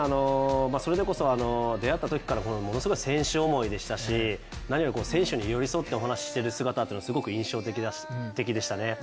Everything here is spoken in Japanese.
それこそ、出会ったときから本当に選手思いでしたしなにより選手に寄り添ってお話している姿ってすごく印象的でしたね。